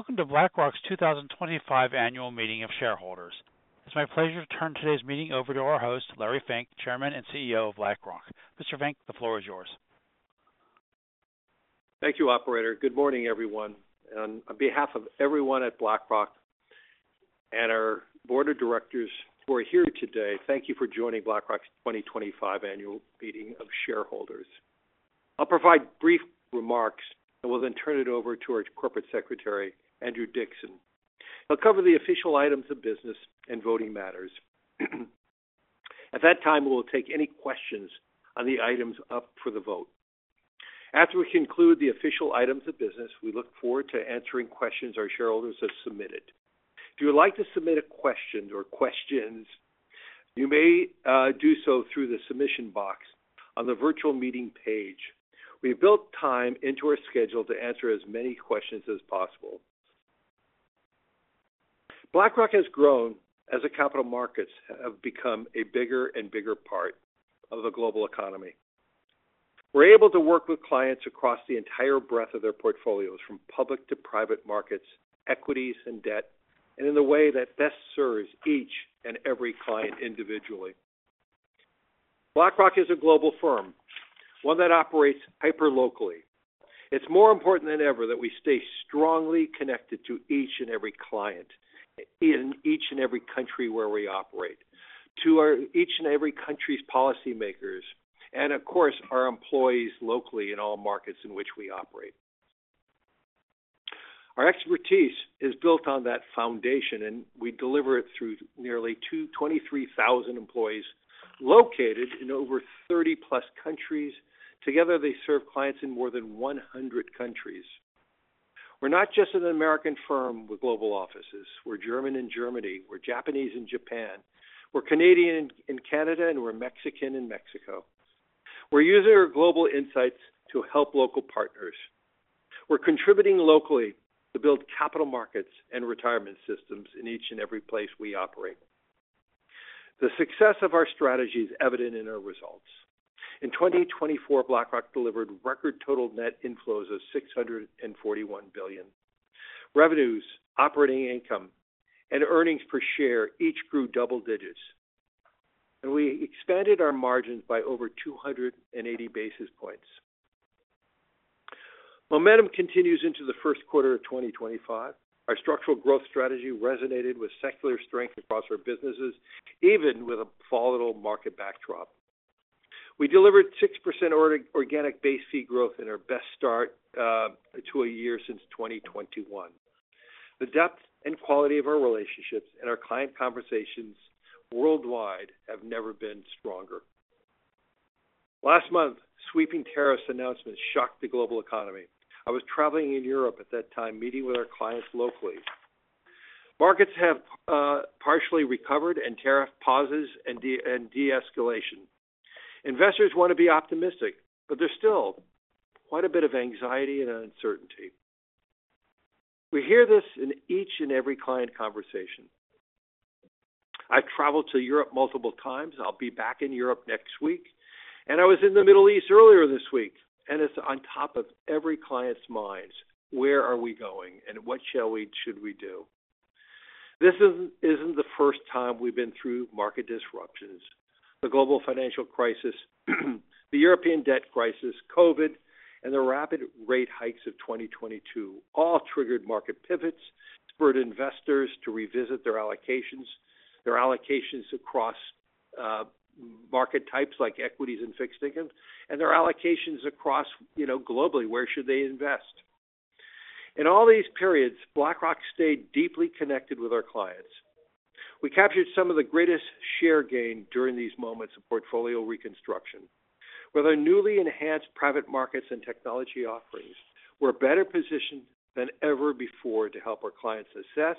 Welcome to BlackRock's 2025 Annual Meeting of Shareholders. It's my pleasure to turn today's meeting over to our host, Larry Fink, Chairman and CEO of BlackRock. Mr. Fink, the floor is yours. Thank you, operator. Good morning, everyone. On behalf of everyone at BlackRock and our Board of Directors who are here today, thank you for joining BlackRock's 2025 Annual Meeting of Shareholders. I'll provide brief remarks. I will then turn it over to our Corporate Secretary, Andrew Dixon. He'll cover the official items of business and voting matters. At that time, we will take any questions and the items up for the vote. As we conclude the official items of business, we look forward to answering questions our shareholders have submitted. Do you like to submit a question or questions? You may do so through the submission box on the virtual meeting page. We have built time into our schedule to answer as many questions as possible. BlackRock has grown as a capital markets have become a bigger and bigger part of the global economy. We're able to work with clients across the entire breadth of their portfolios, from public to private markets, equities and debt, and in a way that best serves each and every client individually. BlackRock is a global firm, one that operates hyper-locally. It's more important than ever that we stay strongly connected to each and every client in each and every country where we operate, to each and every country's policymakers, and of course, our employees locally in all markets in which we operate. Our expertise is built on that foundation, and we deliver it through nearly 23,000 employees located in over 30-plus countries. Together, they serve clients in more than 100 countries. We're not just an American firm with global offices. We're German in Germany. We're Japanese in Japan, we're Canadian in Canada, and we're Mexican in Mexico. We're using our global insights to help local partners. We're contributing locally to build capital markets and retirement systems in each and every place we operate. The success of our strategy is evident in our results. In 2024, BlackRock delivered record total net inflows of $641 billion. Revenues, operating income and earnings per share each grew double digits. And we expanded our margins by over 280 basis points. Momentum continues into the first quarter of 2025. Our structural growth strategy resonated with secular strength across our businesses, even with a volatile market backdrop. We delivered 6% on organic base fee growth in our best start to a year since 2021. The depth and quality of our relationships and our client conversations worldwide have never been stronger. Last month, sweeping tariffs announcements shocked the global economy. I was traveling in Europe at that time, meeting with our clients locally. Markets have partially recovered in tariff pauses and de-escalation. Investors want to be optimistic, but there's still quite a bit of anxiety and uncertainty. We hear this in each and every client conversation. I travelled to Europe multiple times, I'll be back in Europe next week. And I was in the Middle East earlier this week. And it's on top of every client's minds, where are we going and what should we do. This isn't the first time we've been through market disruptions, the global financial crisis, the European debt crisis, COVID and the rapid rate hikes of 2022. All triggered market pivots spurred investors to revisit their allocations, their allocations across market types like equities and fixed income, and their allocations across globally, Where should they invest? In all these periods, BlackRock stayed deeply connected with our clients. We captured some of the greatest share gain during these moments of portfolio reconstruction. With our newly enhanced private markets and technology offerings, we're better positioned than ever before to help our clients assess,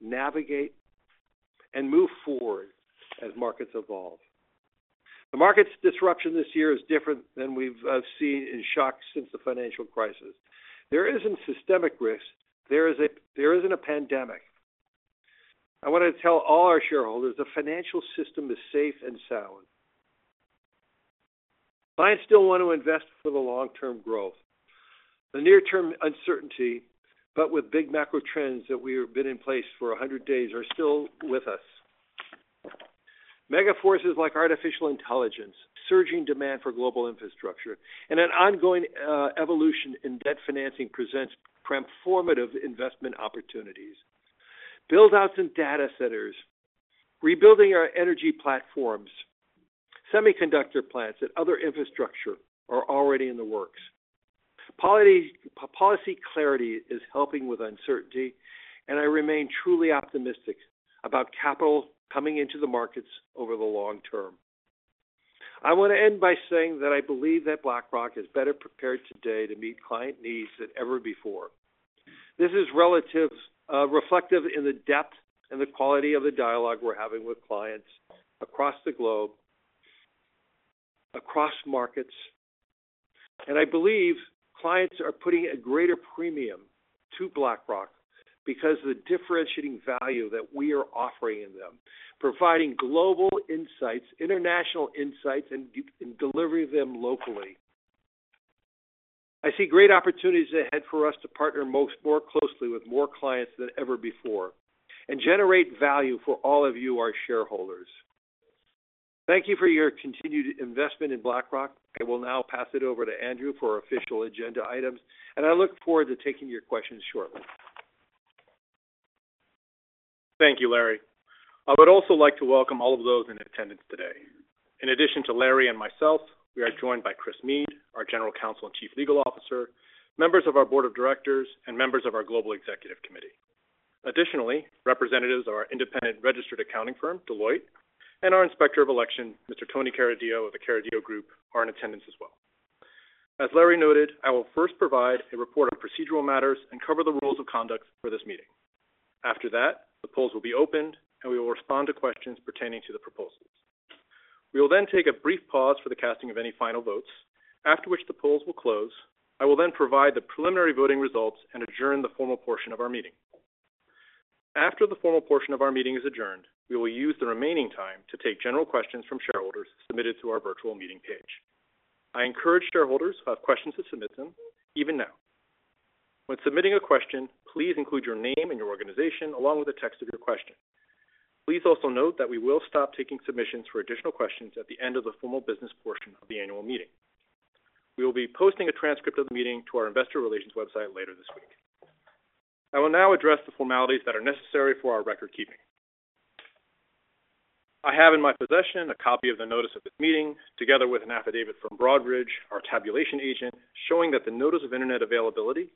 navigate and move forward as markets evolve. The markets disruption this year is different than we've seen in shock since the financial crisis. There isn't systemic risk. There is a – there isn't a pandemic. I want to tell all our shareholders the financial system is safe and sound. But I still want to invest for the long term growth, the near-term uncertainty, but with big macro trends that we've been in place for 100 days are still with us. Mega forces like artificial intelligence, surging demand for global infrastructure, and an ongoing evolution in debt financing presents transformative investment opportunities. Build outs in data centers, rebuilding our energy platforms, semiconductor plants and other infrastructure are already in the works. Policy clarity is helping with uncertainty, and I remain truly optimistic about capital coming into the markets over the long term. I want to end by saying that I believe that BlackRock is better prepared today to meet client needs that ever before. This is relative reflective in the depth and the quality of the dialogue we're having with clients across the globe, across markets, and I believe clients are putting a greater premium to BlackRock because of the differentiating value that we are offering in them, providing global insights, international insights and delivering them locally. I see great opportunities ahead for us to partner most – more closely with more clients than ever before and generate value for all of you, our shareholders. Thank you for your continued investment in BlackRock. I will now pass it over to Andrew for official agenda items and I look forward to taking your questions shortly.. Thank you, Larry. I would also like to welcome all of those in attendance today. In addition to Larry and myself, we are joined by Chris Meade, our General Counsel and Chief Legal Officer; members of our board of directors, and members of our global executive committee. Additionally, representatives of our independent registered accounting firm, Deloitte; and our Inspector of Election, Mr. Tony Carideo of the Carideo Group are in attendance as well. As Larry noted, I will first provide a report on procedural matters and cover the rules of conduct for this meeting. After that, the polls will be opened and we will respond to questions pertaining to the proposals. We will then take a brief pause for the casting of any final votes after which the polls will close. I will then provide the preliminary voting results and adjourn the formal portion of our meeting. After the formal portion of our meeting is adjourned, we will use the remaining time to take general questions from shareholders submitted to our virtual meeting page. I encourage shareholders who have questions to submit them, even now. When submitting a question, please include your name and your organization along with the text of your question. Please also note that we will stop taking submissions for additional questions at the end of the formal business portion of the Annual Meeting. We will be posting a transcript of the meeting to our Investor Relations website later this week. I will now address the formalities that are necessary for our record keeping. I have in my possession a copy of the Notice of the Meeting, together with an affidavit from Broadridge, our tabulation agent, showing that the notice of Internet availability,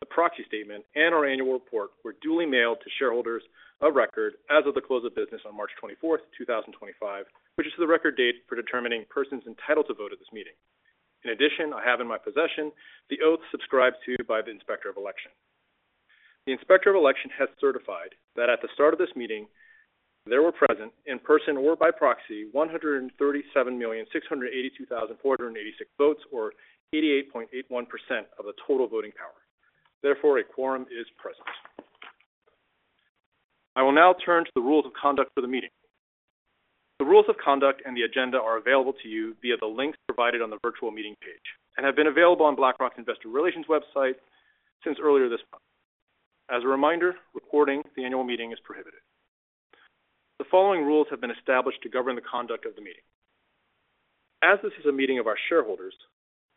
the Proxy Statement and our Annual Report were duly mailed to shareholders of record as of the close of business on March 24, 2025, which is the record date for determining persons entitled to vote at this meeting. In addition, I have in my possession the oath subscribed to by the Inspector of Election. The Inspector of Election has certified that at the start of this meeting, there were present, in person or by proxy, 137,682,486 votes, or 88.81% of the total voting power. Therefore, a quorum is present. I will now turn to the rules of conduct for the meeting. The rules of conduct and the agenda are available to you via the links provided on the virtual meeting page and have been available on BlackRock's Investor Relations website since earlier this month. As a reminder, recording the Annual Meeting is prohibited. The following rules have been established to govern the conduct of the meeting. As this is a meeting of our shareholders,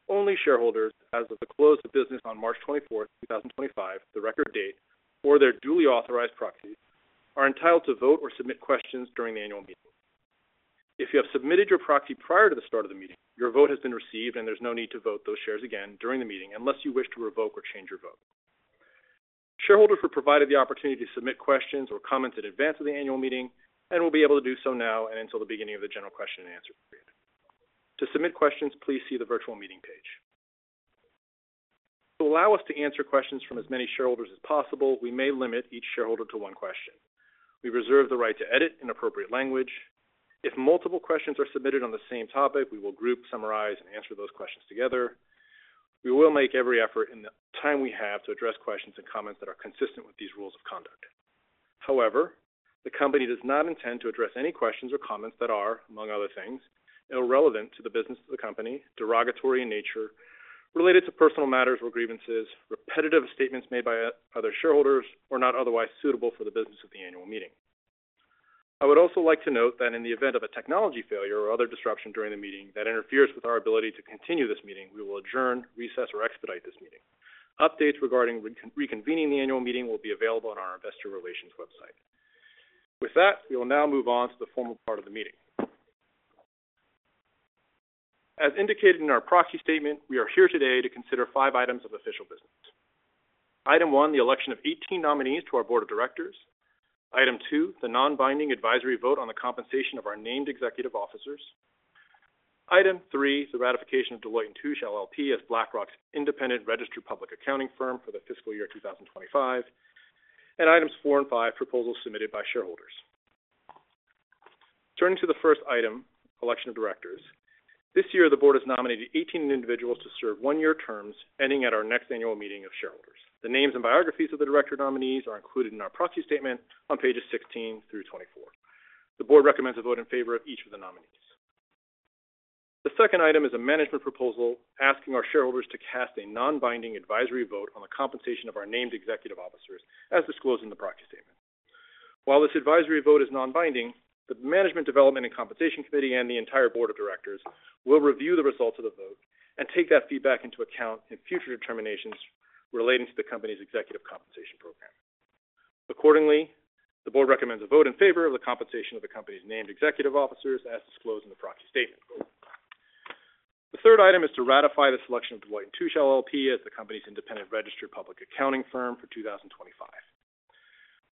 only shareholders as of the close of business on March 24, 2025, the record date, or their duly authorized proxy are entitled to vote or submit questions during the Annual Meeting. If you have submitted your proxy prior to the start of the meeting, your vote has been received and there's no need to vote those shares again during the meeting unless you wish to revoke or change your vote. Shareholders are provided the opportunity to submit questions or comments in advance of the Annual Meeting and will be able to do so now and until the beginning of the general question-and-answer period. To submit questions, please see the virtual meeting page. To allow us to answer questions from as many shareholders as possible, we may limit each shareholder to one question. We reserve the right to edit inappropriate language. If multiple questions are submitted on the same topic, we will group summarize and answer those questions together. We will make every effort in the time we have to address questions and comments that are consistent with these rules of conduct. However, the company does not intend to address any questions or comments that are, among other things, irrelevant to the business of the company, derogatory in nature related to personal matters or grievances, repetitive statements made by other shareholders were not otherwise suitable for the business at the Annual Meeting. I would also like to note that in the event of a technology failure or other disruption during the meeting that interferes with our ability to continue this meeting, we will adjourn, recess, or expedite this meeting. Updates regarding reconvening the Annual Meeting will be available on our Investor Relations website. With that, we will now move on to the formal part of the meeting. As indicated in our proxy statement, we are here today to consider five items of official business. Item 1, the election of 18 nominees to our board of directors. Item 2, the non-binding advisory vote on the compensation of our named executive officers. Item 3, the ratification of Deloitte & Touche LLP as BlackRock's independent registered public accounting firm for the fiscal year 2025. And items 4 and 5, proposal submitted by shareholders. Turning to the first item, election of directors. This year, the board has nominated 18 individuals to serve one year terms, ending at our next Annual Meeting of Shareholders. The names and biographies of the director nominees are included in our Proxy Statement on pages 16 through 24. The board recommends a vote in favor of each of the nominees. The second item is a management proposal asking our shareholders to cast a non-binding advisory vote on the compensation of our named executive officers as disclosing the proxy statement. While this advisory vote is non-binding, the management development and compensation committee and the entire board of directors will review the results of the vote and take that feedback into account in future determinations relating to the company's executive compensation program. Accordingly, the board recommends a vote in favor of the compensation of the companies named executive officers, as disclosed in the proxy statement. The third item is to ratify the selection of the Deloitte & Touche LLP as the company's independent registered public accounting firm for 2025.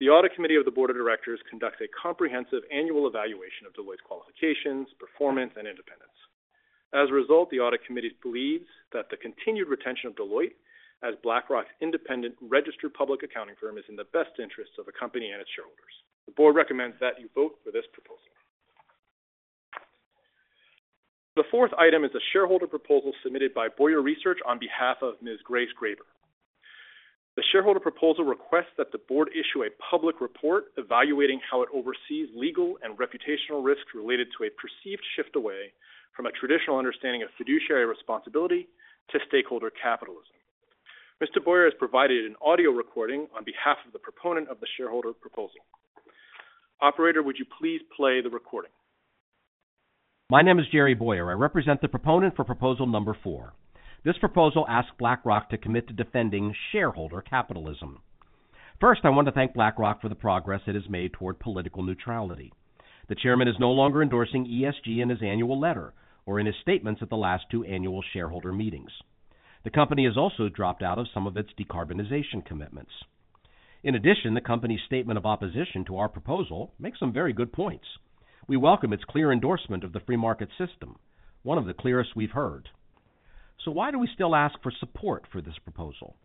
The audit committee of the board of directors conducts a comprehensive annual evaluation of Deloitte's qualifications, performance and independence. As a result, the audit committee believes that the continued retention of Deloitte as BlackRock's independent registered public accounting firm is in the best interest of the company and its shareholders. The board recommends that you vote for this proposal. The fourth item is a shareholder proposal submitted by Bowyer Research on behalf of Ms. Grace Graber. The shareholder proposal requests that the board issue a public report evaluating how it oversees legal and reputational risks related to a perceived shift away from a traditional understanding of fiduciary responsibility to stakeholder capitalism. Mr. Bowyer has provided an audio recording on behalf of the proponent of the shareholder proposal. Operator, would you please play the recording? My name is Jerry Boywer. I represent the proponent for proposal number four. This proposal asks BlackRock to commit to defending shareholder capitalism. First, I want to thank BlackRock for the progress it has made toward political neutrality. The Chairman is no longer endorsing ESG in his annual letter or in his statements at the last two Annual Shareholder Meetings. The company has also dropped out of some of its decarbonization commitments. In addition, the company's statement of opposition to our proposal makes some very good points. We welcome its clear endorsement of the free market system. One of the clearest we've heard. So, why do we still ask for support for this proposal?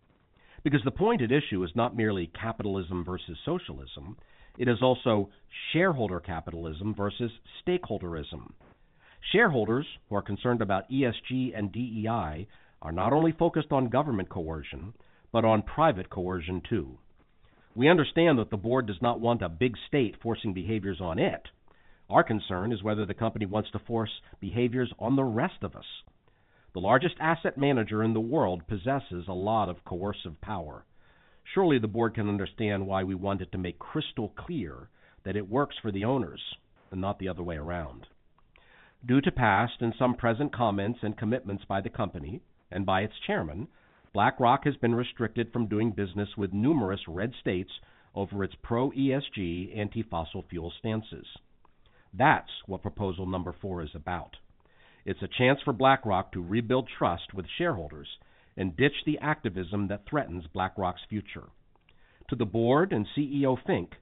Because the point at issue is not merely capitalism versus socialism. It is also shareholder capitalism versus stakeholderism. Shareholders who are concerned about ESG and DEI are not only focused on government coercion, but on private coercion, too. We understand that the board does not want a big state forcing behaviors on it. Our concern is whether the company wants to force behaviors on the rest of us. The largest asset manager in the world possesses a lot of coercive power. Surely, the board can understand why we wanted to make crystal clear that it works for the owners, but not the other way around. Due to past and some present comments and commitments by the company and by its Chairman, BlackRock has been restricted from doing business with numerous red states over its pro ESG anti-fossil fuel stances. That's what proposal number 4 four is about. It's a chance for BlackRock to rebuild trust with shareholders and ditch the activism that threatens BlackRock's future. To the board and CEO Fink,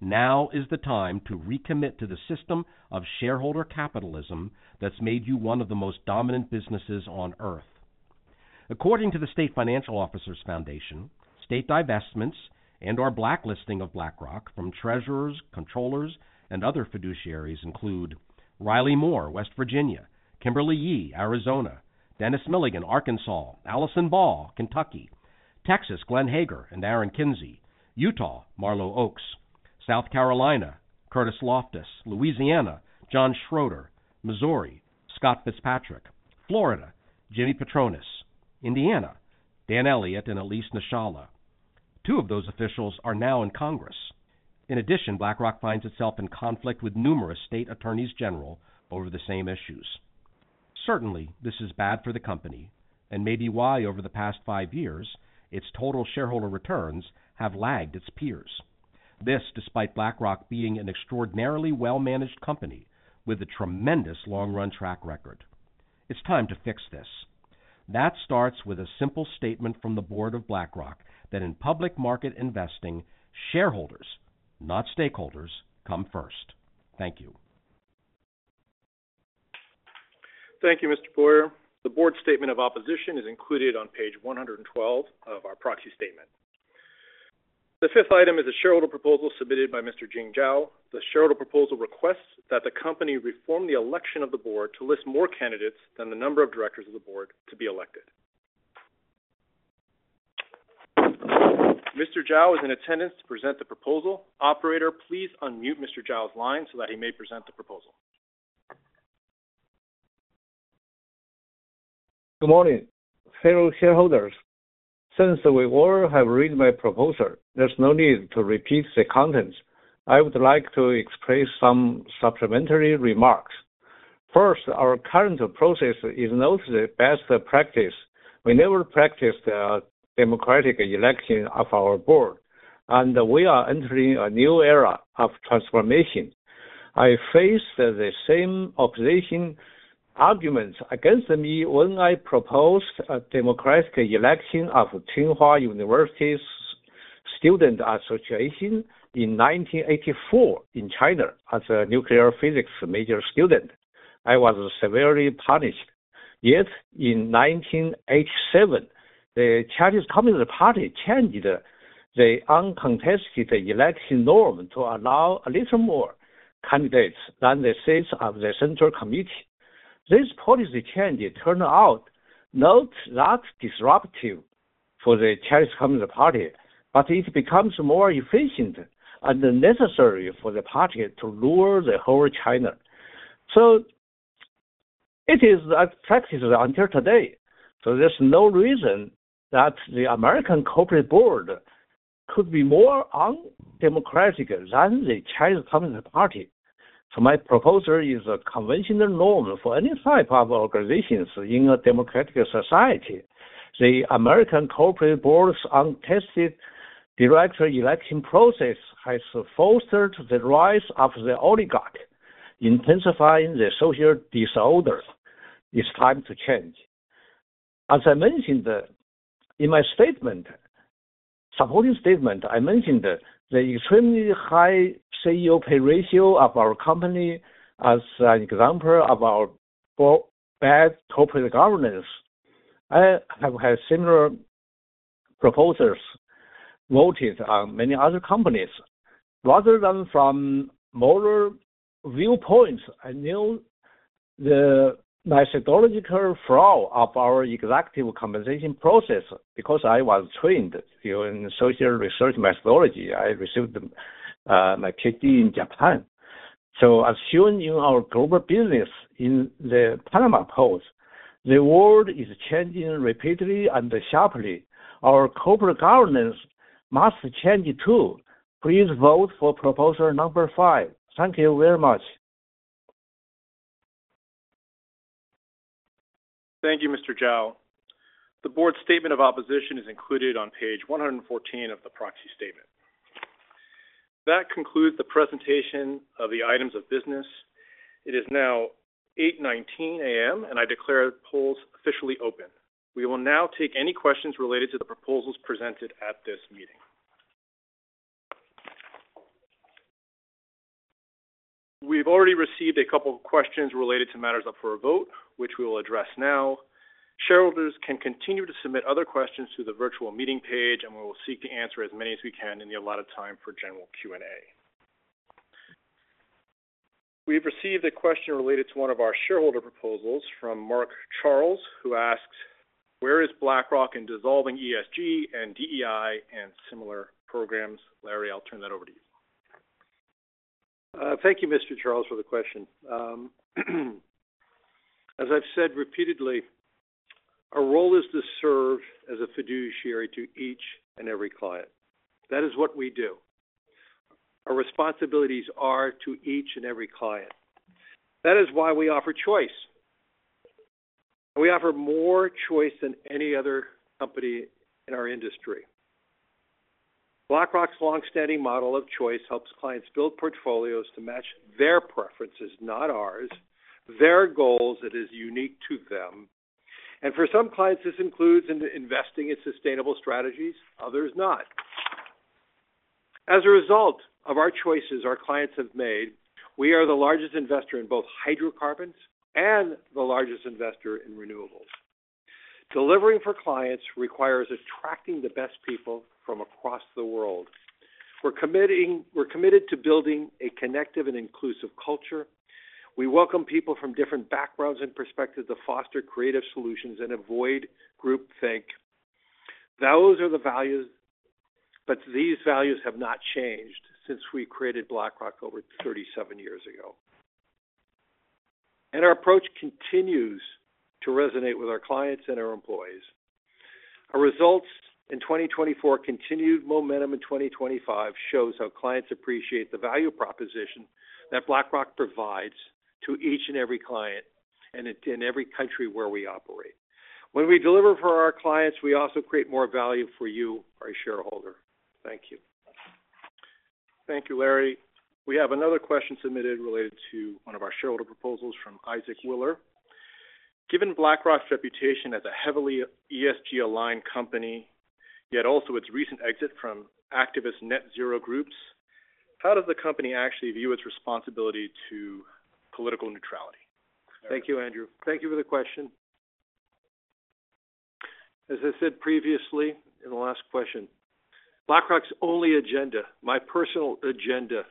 now is the time to recommit to the system of shareholder capitalism that's made you one of the most dominant businesses on earth. According to the State Financial Officers Foundation, state divestments and our blacklisting of BlackRock from treasurers, comptrollers and other fiduciaries include, Riley Moore, West Virginia; Kimberly Yee, Arizona; Dennis Milligan, Arkansas; Allison Ball, Kentucky; Texas, Glenn Hegar; and Aaron Kinsey, Utah; Marlo Oaks, South This despite BlackRock being an extraordinarily well-managed company with a tremendous long-run track record. It's time to fix this. That starts with a simple statement from the board of BlackRock that in public market investing, shareholders, not stakeholders, come first. Thank you. Thank you, Mr. Bowyer. The board statement of opposition is included on page 112 of our proxy statement. The fifth item is a shareholder proposal submitted by Mr. Jing Zhao. The shareholder proposal requests that the company reform the election of the board to list more candidates than the number of directors of the board to be elected. Mr. Zhao is in attendance to present the proposal. Operator, please unmute Mr. Zhao's line so that he may present the proposal. Good morning, fellow shareholders. Since we all have read my proposal, there's no need to repeat the contents. I would like to express some supplementary remarks. First, our current process is not the best practice. We never practiced a democratic election of our board, and we are entering a new era of transformation. I faced the same opposition arguments against me when I proposed a democratic election of Tsinghua University's student association in 1984 in China as a nuclear physics major student. I was severely punished. Yet in 1987, the Chinese Communist Party changed the uncontested election norm to allow a little more candidates than the seats of the Central Committee. This policy change turned out not that disruptive for the Chinese Communist Party, but it becomes more efficient and necessary for the party to lure the whole China. So it is practiced until today. There is no reason that the American corporate board could be more undemocratic than the Chinese Communist Party. My proposal is a conventional norm for any type of organizations in a democratic society. The American corporate board's untested director election process has fostered the rise of the oligarch, intensifying the social disorder. It is time to change. As I mentioned in my supporting statement, I mentioned the extremely high CEO pay ratio of our company as an example of our bad corporate governance. I have had similar proposals voted on at many other companies. Rather than from moral viewpoints, I know the methodological flaw of our executive compensation process because I was trained in social research methodology. I received my PhD in Japan. Assuming our global business in the Panama Post, the world is changing rapidly and sharply. Our corporate governance must change too. Please vote for proposal number five. Thank you very much. Thank you, Mr. Zhao. The board statement of opposition is included on page 114 of the proxy statement. That concludes the presentation of the items of business. It is now 8:19 A.M., and I declare the polls officially open. We will now take any questions related to the proposals presented at this meeting. We've already received a couple of questions related to matters up for a vote, which we will address now. Shareholders can continue to submit other questions to the virtual meeting page, and we will seek to answer as many as we can in the allotted time for general Q&A. We've received a question related to one of our shareholder proposals from Mark Charles, who asks, "Where is BlackRock in dissolving ESG and DEI and similar programs?" Larry, I'll turn that over to you. Thank you, Mr. Charles, for the question. As I've said repeatedly, our role is to serve as a fiduciary to each and every client. That is what we do. Our responsibilities are to each and every client. That is why we offer choice. We offer more choice than any other company in our industry. BlackRock's long-standing model of choice helps clients build portfolios to match their preferences, not ours, their goals that are unique to them. For some clients, this includes investing in sustainable strategies, others not. As a result of the choices our clients have made, we are the largest investor in both hydrocarbons and the largest investor in renewables. Delivering for clients requires attracting the best people from across the world. We're committed to building a connective and inclusive culture. We welcome people from different backgrounds and perspectives to foster creative solutions and avoid groupthink. Those are the values, but these values have not changed since we created BlackRock over 37 years ago. Our approach continues to resonate with our clients and our employees. Our results in 2024, continued momentum in 2025, shows how clients appreciate the value proposition that BlackRock provides to each and every client and in every country where we operate. When we deliver for our clients, we also create more value for you, our shareholder. Thank you. Thank you, Larry. We have another question submitted related to one of our shareholder proposals from Isaac Willer. Given BlackRock's reputation as a heavily ESG-aligned company, yet also its recent exit from activist net-zero groups, how does the company actually view its responsibility to political neutrality? Thank you, Andrew. Thank you for the question. As I said previously in the last question, BlackRock's only agenda, my personal agenda,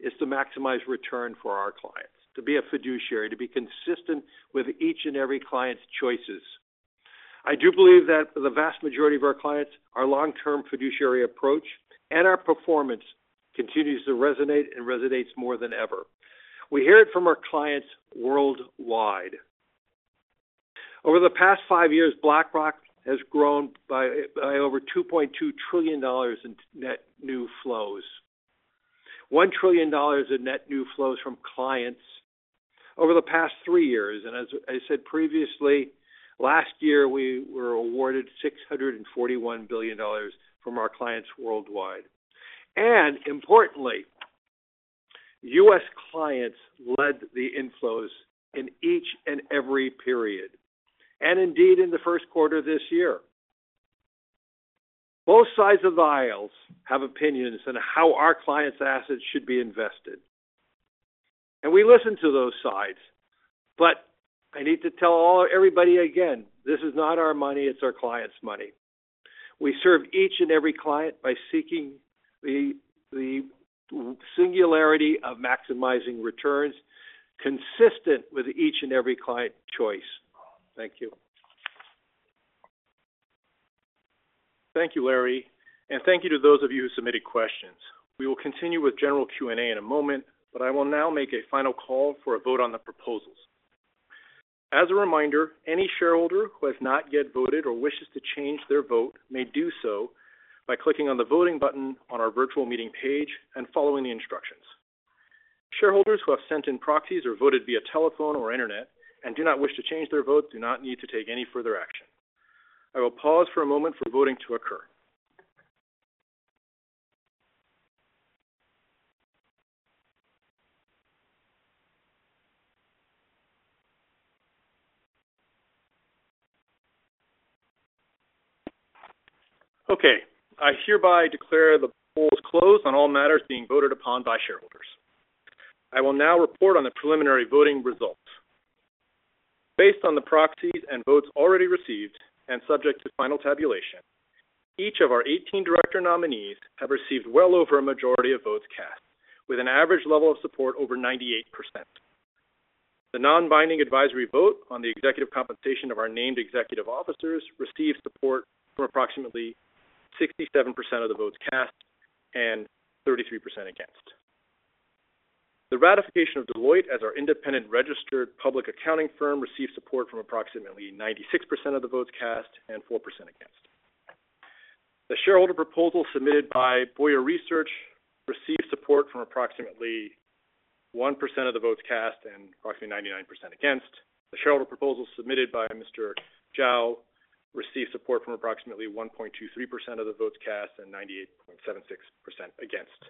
is to maximize return for our clients, to be a fiduciary, to be consistent with each and every client's choices. I do believe that the vast majority of our clients, our long-term fiduciary approach and our performance continues to resonate and resonates more than ever. We hear it from our clients worldwide. Over the past five years, BlackRock has grown by over $2.2 trillion in net new flows, $1 trillion in net new flows from clients over the past three years. As I said previously, last year, we were awarded $641 billion from our clients worldwide. Importantly, U.S. clients led the inflows in each and every period, and indeed in the first quarter of this year. Both sides of the aisles have opinions on how our clients' assets should be invested. We listen to those sides. I need to tell everybody again, this is not our money, it's our clients' money. We serve each and every client by seeking the singularity of maximizing returns consistent with each and every client's choice. Thank you. Thank you, Larry. Thank you to those of you who submitted questions. We will continue with general Q&A in a moment, but I will now make a final call for a vote on the proposals. As a reminder, any shareholder who has not yet voted or wishes to change their vote may do so by clicking on the voting button on our virtual meeting page and following the instructions. Shareholders who have sent in proxies or voted via telephone or internet and do not wish to change their vote do not need to take any further action. I will pause for a moment for voting to occur. Okay. I hereby declare the polls closed on all matters being voted upon by shareholders. I will now report on the preliminary voting results. Based on the proxies and votes already received and subject to final tabulation, each of our 18 director nominees have received well over a majority of votes cast, with an average level of support over 98%. The non-binding advisory vote on the executive compensation of our named executive officers received support from approximately 67% of the votes cast and 33% against. The ratification of Deloitte as our independent registered public accounting firm received support from approximately 96% of the votes cast and 4% against. The shareholder proposal submitted by Bowyer Research received support from approximately 1% of the votes cast and approximately 99% against. The shareholder proposal submitted by Mr. Zhao received support from approximately 1.23% of the votes cast and 98.76% against.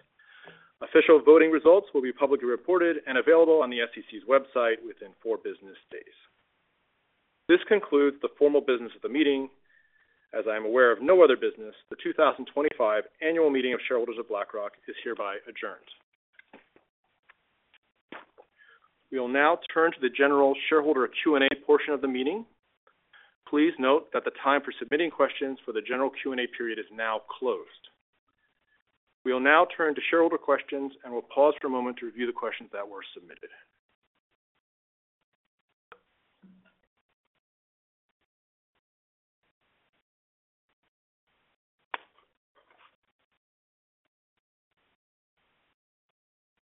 Official voting results will be publicly reported and available on the SEC's website within four business days. This concludes the formal business of the meeting. As I am aware of no other business, the 2025 annual meeting of shareholders of BlackRock is hereby adjourned. We will now turn to the general shareholder Q&A portion of the meeting. Please note that the time for submitting questions for the general Q&A period is now closed. We will now turn to shareholder questions and will pause for a moment to review the questions that were submitted.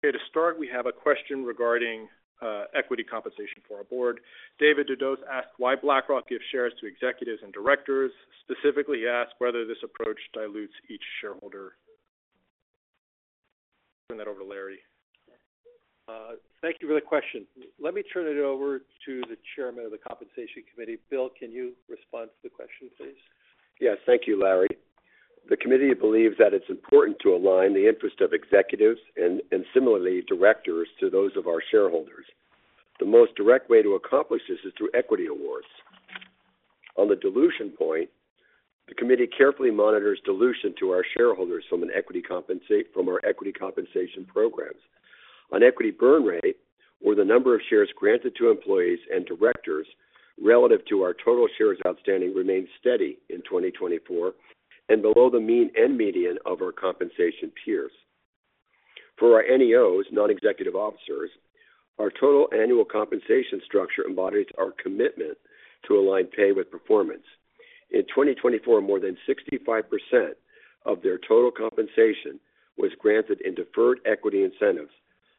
Okay. To start, we have a question regarding equity compensation for our board. David Dodos asked why BlackRock gives shares to executives and directors. Specifically, he asked whether this approach dilutes each shareholder. Turn that over to Larry. Thank you for the question. Let me turn it over to the Chairman of the Compensation Committee. Bill, can you respond to the question, please? Yes. Thank you, Larry. The committee believes that it's important to align the interests of executives and similarly directors to those of our shareholders. The most direct way to accomplish this is through equity awards. On the dilution point, the committee carefully monitors dilution to our shareholders from our equity compensation programs. On equity burn rate, or the number of shares granted to employees and directors relative to our total shares outstanding, remains steady in 2024 and below the mean and median of our compensation peers. For our NEOs, non-executive officers, our total annual compensation structure embodies our commitment to align pay with performance. In 2024, more than 65% of their total compensation was granted in deferred equity incentives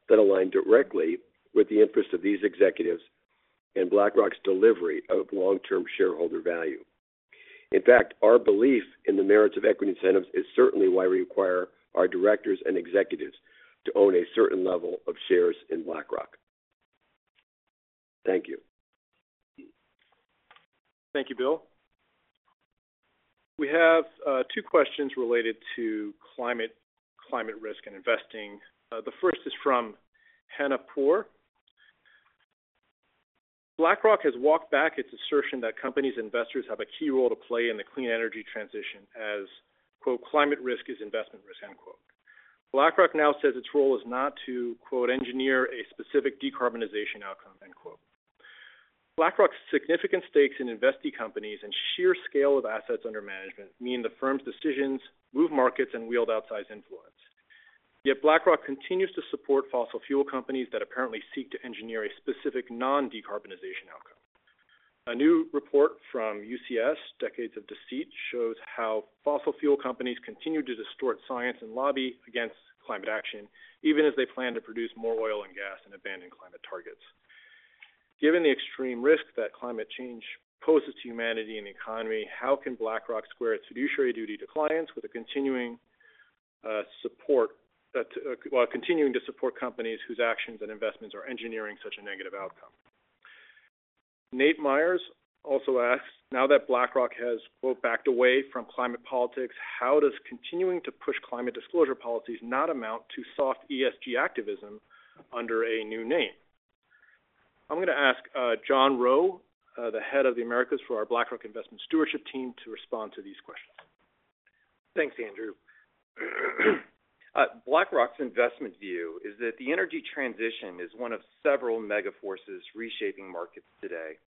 that align directly with the interests of these executives and BlackRock's delivery of long-term shareholder value. In fact, our belief in the merits of equity incentives is certainly why we require our directors and executives to own a certain level of shares in BlackRock. Thank you. Thank you, Bill. We have two questions related to climate risk and investing. The first is from Hannah Poor. BlackRock has walked back its assertion that companies and investors have a key role to play in the clean energy transition as, quote, "Climate risk is investment risk." BlackRock now says its role is not to, quote, "Engineer a specific decarbonization outcome." BlackRock's significant stakes in investee companies and sheer scale of assets under management mean the firm's decisions move markets and wield outsized influence. Yet BlackRock continues to support fossil fuel companies that apparently seek to engineer a specific non-decarbonization outcome. A new report from UCS, Decades of Deceit, shows how fossil fuel companies continue to distort science and lobby against climate action, even as they plan to produce more oil and gas and abandon climate targets. Given the extreme risk that climate change poses to humanity and the economy, how can BlackRock square its fiduciary duty to clients with a continuing support while continuing to support companies whose actions and investments are engineering such a negative outcome? Nate Myers also asks, "Now that BlackRock has, quote, 'backed away from climate politics,' how does continuing to push climate disclosure policies not amount to soft ESG activism under a new name?" I'm going to ask John Rowe, the Head of the Americas for our BlackRock Investment Stewardship team, to respond to these questions. Thanks, Andrew. BlackRock's investment view is that the energy transition is one of several mega forces reshaping markets today.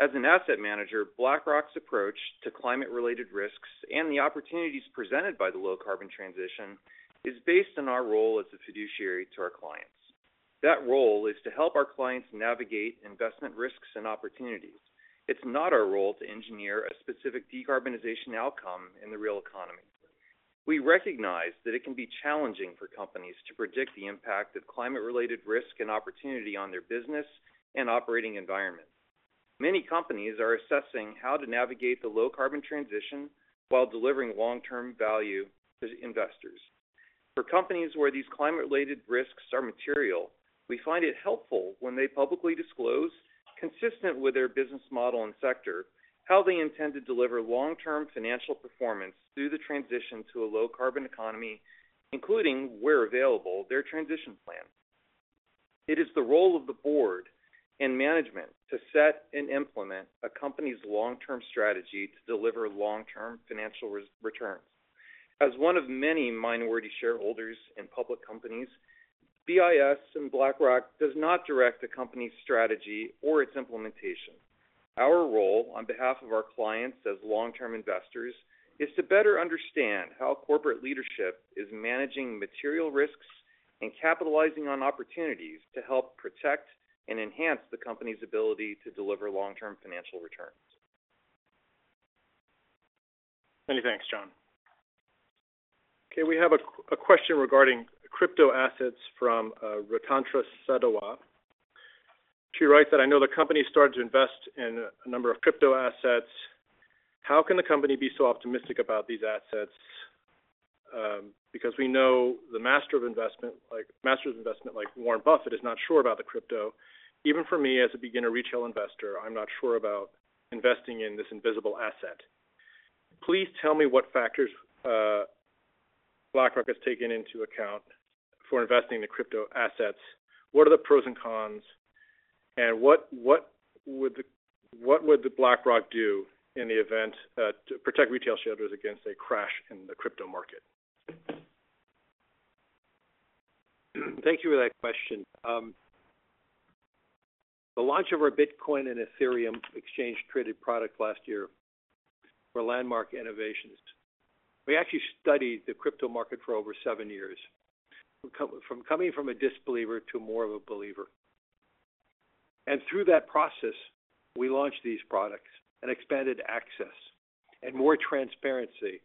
As an asset manager, BlackRock's approach to climate-related risks and the opportunities presented by the low-carbon transition is based on our role as a fiduciary to our clients. That role is to help our clients navigate investment risks and opportunities. It's not our role to engineer a specific decarbonization outcome in the real economy. We recognize that it can be challenging for companies to predict the impact of climate-related risk and opportunity on their business and operating environment. Many companies are assessing how to navigate the low-carbon transition while delivering long-term value to investors. For companies where these climate-related risks are material, we find it helpful when they publicly disclose, consistent with their business model and sector, how they intend to deliver long-term financial performance through the transition to a low-carbon economy, including, where available, their transition plan. It is the role of the board and management to set and implement a company's long-term strategy to deliver long-term financial returns. As one of many minority shareholders in public companies, BIS and BlackRock do not direct the company's strategy or its implementation. Our role on behalf of our clients as long-term investors is to better understand how corporate leadership is managing material risks and capitalizing on opportunities to help protect and enhance the company's ability to deliver long-term financial returns. Many thanks, John. Okay. We have a question regarding crypto assets from Rotantra Sadowa. She writes that, "I know the company started to invest in a number of crypto assets. How can the company be so optimistic about these assets? Because we know the master of investment, like Warren Buffett, is not sure about the crypto. Even for me as a beginner retail investor, I'm not sure about investing in this invisible asset. Please tell me what factors BlackRock has taken into account for investing in the crypto assets. What are the pros and cons, and what would the BlackRock do in the event to protect retail shelters against a crash in the crypto market? Thank you for that question. The launch of our Bitcoin and Ethereum exchange-traded product last year for Landmark Innovations. We actually studied the crypto market for over seven years, from coming from a disbeliever to more of a believer. Through that process, we launched these products and expanded access and more transparency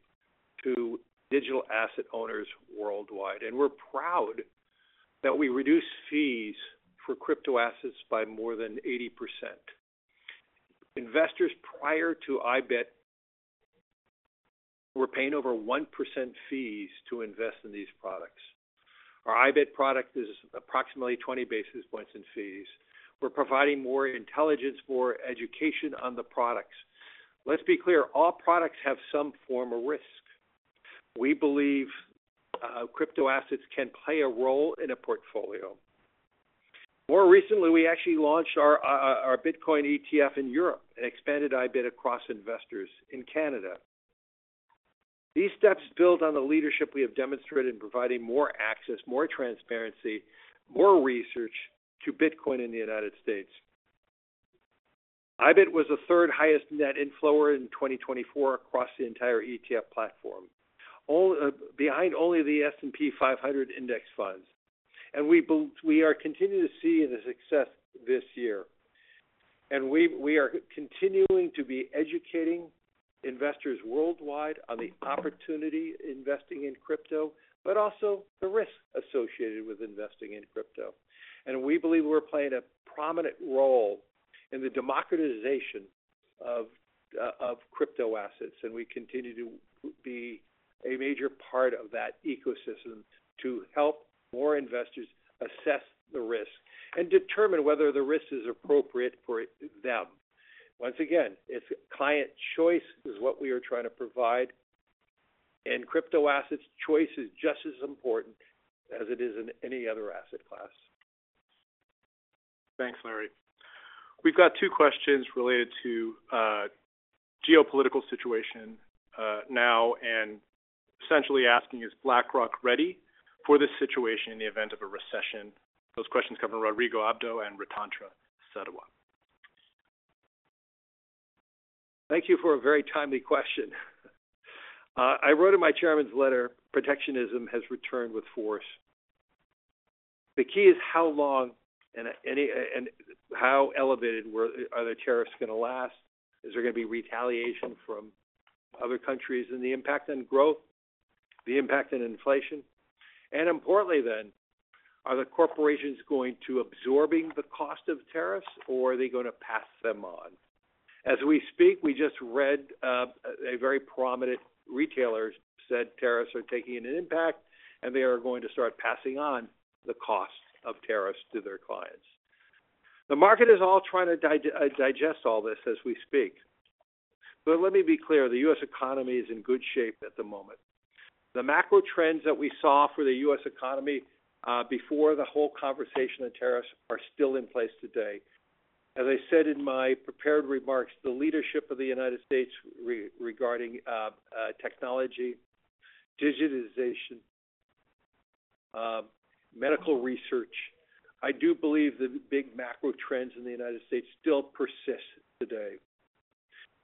to digital asset owners worldwide. We are proud that we reduced fees for crypto assets by more than 80%. Investors prior to IBIT were paying over 1% fees to invest in these products. Our IBIT product is approximately 20 basis points in fees. We are providing more intelligence, more education on the products. Let's be clear, all products have some form of risk. We believe crypto assets can play a role in a portfolio. More recently, we actually launched our Bitcoin ETF in Europe and expanded IBIT across investors in Canada. These steps build on the leadership we have demonstrated in providing more access, more transparency, more research to Bitcoin in the United States. IBIT was the third highest net inflower in 2024 across the entire ETF platform, behind only the S&P 500 index funds. We are continuing to see the success this year. We are continuing to be educating investors worldwide on the opportunity of investing in crypto, but also the risks associated with investing in crypto. We believe we are playing a prominent role in the democratization of crypto assets. We continue to be a major part of that ecosystem to help more investors assess the risk and determine whether the risk is appropriate for them. Once again, client choice is what we are trying to provide. Crypto assets' choice is just as important as it is in any other asset class. Thanks, Larry. We've got two questions related to geopolitical situation now and essentially asking, is BlackRock ready for this situation in the event of a recession? Those questions come from Rodrigo Abdo and Rotantra Sadowa. Thank you for a very timely question. I wrote in my Chairman's letter, "Protectionism has returned with force." The key is how long and how elevated are the tariffs going to last? Is there going to be retaliation from other countries and the impact on growth, the impact on inflation? And importantly then, are the corporations going to absorb the cost of tariffs, or are they going to pass them on? As we speak, we just read a very prominent retailer said tariffs are taking an impact, and they are going to start passing on the cost of tariffs to their clients. The market is all trying to digest all this as we speak. Let me be clear, the U.S. economy is in good shape at the moment. The macro trends that we saw for the U.S. economy before the whole conversation on tariffs are still in place today. As I said in my prepared remarks, the leadership of the United States regarding technology, digitization, medical research, I do believe the big macro trends in the United States still persist today.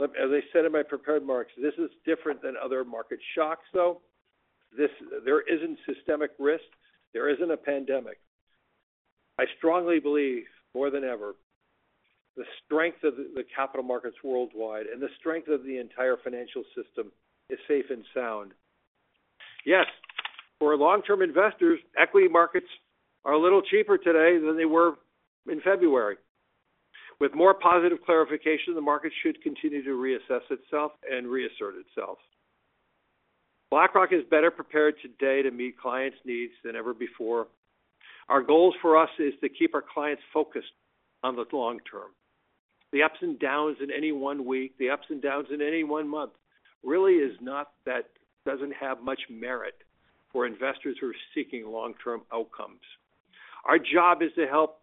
As I said in my prepared remarks, this is different than other market shocks, though. There is not systemic risk. There is not a pandemic. I strongly believe more than ever the strength of the capital markets worldwide and the strength of the entire financial system is safe and sound. Yes, for long-term investors, equity markets are a little cheaper today than they were in February. With more positive clarification, the market should continue to reassess itself and reassert itself. BlackRock is better prepared today to meet clients' needs than ever before. Our goal for us is to keep our clients focused on the long term. The ups and downs in any one week, the ups and downs in any one month really is not that, does not have much merit for investors who are seeking long-term outcomes. Our job is to help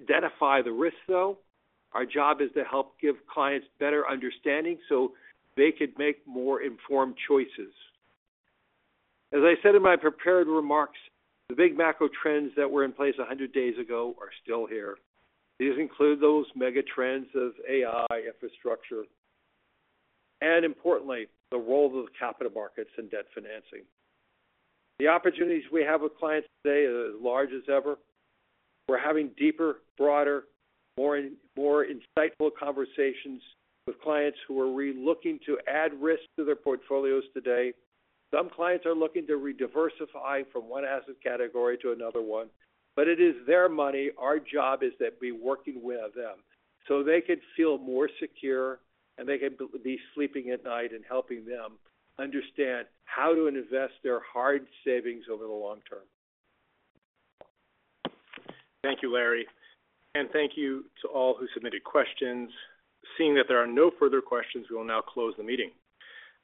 identify the risks, though. Our job is to help give clients better understanding so they could make more informed choices. As I said in my prepared remarks, the big macro trends that were in place 100 days ago are still here. These include those mega trends of AI, infrastructure, and importantly, the role of the capital markets and debt financing. The opportunities we have with clients today are as large as ever. We are having deeper, broader, more insightful conversations with clients who are looking to add risk to their portfolios today. Some clients are looking to re-diversify from one asset category to another one. It is their money. Our job is that we're working with them so they could feel more secure and they could be sleeping at night and helping them understand how to invest their hard savings over the long term. Thank you, Larry. Thank you to all who submitted questions. Seeing that there are no further questions, we will now close the meeting.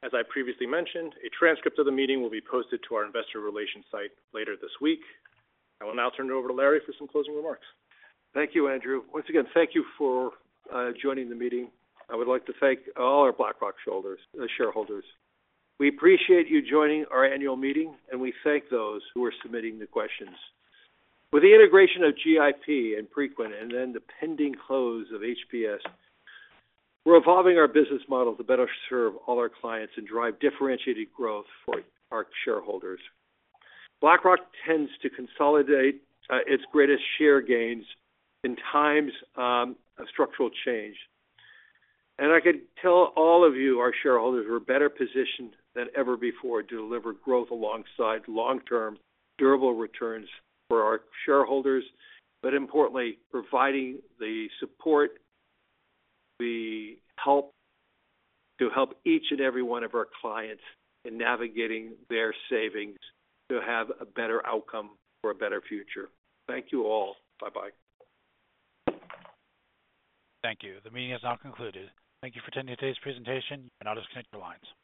As I previously mentioned, a transcript of the meeting will be posted to our investor relations site later this week. I will now turn it over to Larry for some closing remarks. Thank you, Andrew. Once again, thank you for joining the meeting. I would like to thank all our BlackRock shareholders. We appreciate you joining our annual meeting, and we thank those who are submitting the questions. With the integration of GIP and Preqin and then the pending close of HPS, we're evolving our business model to better serve all our clients and drive differentiated growth for our shareholders. BlackRock tends to consolidate its greatest share gains in times of structural change. I can tell all of you, our shareholders, we're better positioned than ever before to deliver growth alongside long-term, durable returns for our shareholders. Importantly, providing the support we help to help each and every one of our clients in navigating their savings to have a better outcome for a better future. Thank you all. Bye-bye. Thank you. The meeting is now concluded. Thank you for attending today's presentation. You can now disconnect your lines.